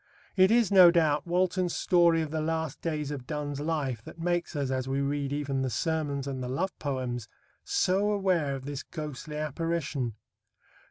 It is, no doubt, Walton's story of the last days of Donne's life that makes us, as we read even the sermons and the love poems, so aware of this ghostly apparition.